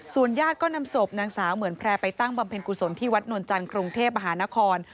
ญาติก็นำศพนางสาวเหมือนแพร่ไปตั้งบำเพ็ญกุศลที่วัดนวลจันทร์กรุงเทพมหานคร